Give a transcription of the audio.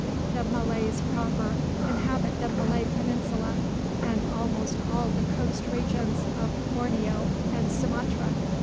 The Malays proper inhabit the Malay peninsula, and almost all the coast regions of Borneo and Sumatra.